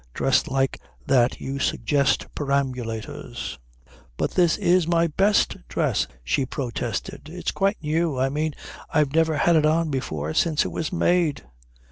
Dressed like that you suggest perambulators." "But this is my best dress," she protested. "It's quite new. I mean, I've never had it on before since it was made."